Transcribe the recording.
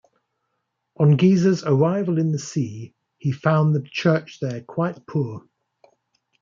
On Gisa's arrival in the see he found the church there quite poor.